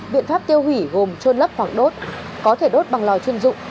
biện pháp tiêu hủy gồm trôn lấp hoặc đốt có thể đốt bằng lò chuyên dụng